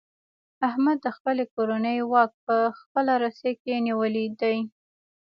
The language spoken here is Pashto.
احمد د خپلې کورنۍ واک په خپله رسۍ کې نیولی دی.